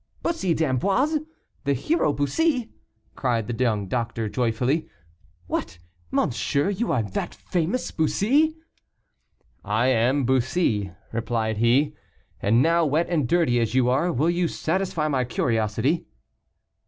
"Bussy d'Amboise! the hero Bussy!" cried the young doctor, joyfully. "What, monsieur, you are that famous Bussy ?" "I am Bussy," replied he. "And now, wet and dirty as you are, will you satisfy my curiosity?"